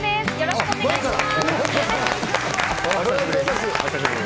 よろしくお願いします。